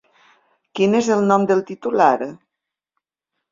Quin és el nom del titular?